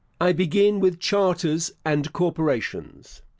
I begin with charters and corporations.